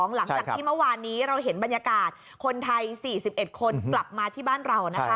หลังจากที่เมื่อวานนี้เราเห็นบรรยากาศคนไทย๔๑คนกลับมาที่บ้านเรานะคะ